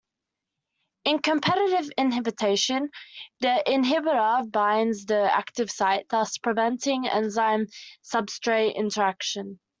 In competitive inhibition, the inhibitor binds to the active site, thus preventing enzyme-substrate interaction.